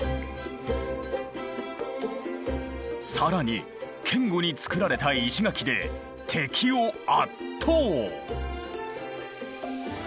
更に堅固に造られた石垣で敵を圧倒！